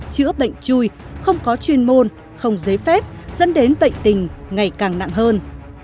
chữa bệnh chui không có chuyên môn không giấy phép dẫn đến bệnh tình ngày càng nặng hơn